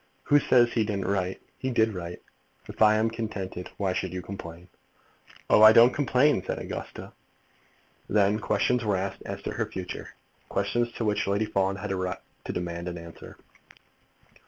"Who says he didn't write? He did write. If I am contented, why should you complain?" "Oh, I don't complain," said Augusta. Then questions were asked as to the future, questions to which Lady Fawn had a right to demand an answer.